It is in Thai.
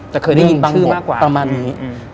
เคยได้ยินชื่อมากกว่าประมาณนี้